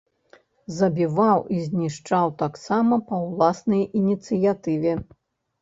Забіваў і знішчаў таксама па ўласнай ініцыятыве.